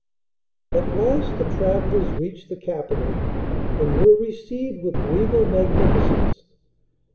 At last the travellers reached the capital, and were received with regal magnificence.